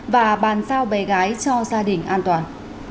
và bàn giao bé gái cho gia đình an toàn